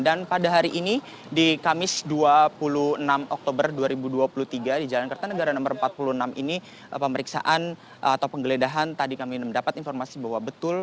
dan pada hari ini di kamis dua puluh enam oktober dua ribu dua puluh tiga di jalan kertanegara no empat puluh enam ini pemeriksaan atau penggeledahan tadi kami mendapat informasi bahwa betul